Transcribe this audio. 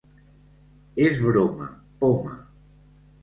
És broma, poma.